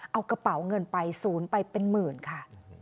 เอากระเป๋าเงินไปศูนย์ไปเป็นหมื่นค่ะ